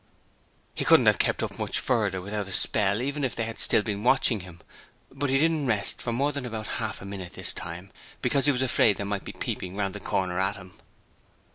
He couldn't have kept up much further without a spell even if they had still been watching him, but he didn't rest for more than about half a minute this time, because he was afraid they might be peeping round the corner at him.